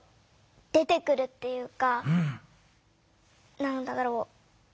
なんだろう。